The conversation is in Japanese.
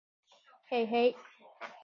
へいへい